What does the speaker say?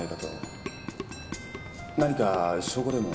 何か証拠でも？